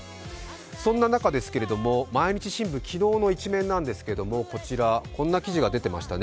そんな中ですけれども毎日新聞の昨日の一面なんですけれどもこんな記事が出ていましたね。